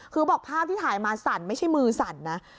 คือบอกภาพที่ถ่ายมาสั่นไม่ใช่มือสั่นนะ